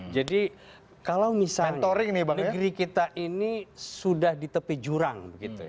jadi kalau misalnya negeri kita ini sudah di tepi jurang